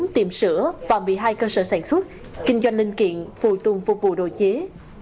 hai trăm ba mươi bốn tiệm sữa một mươi hai cơ sở sản xuất kinh doanh linh kiện phù tùng phục vụ đồ chế